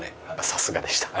さすがでした。